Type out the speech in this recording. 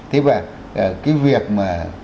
thế và cái việc mà